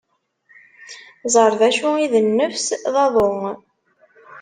Ẓer d acu i d nnefs: d aḍu.